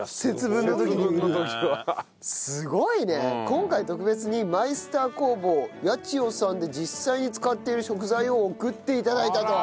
今回特別にマイスター工房八千代さんで実際に使っている食材を送って頂いたと。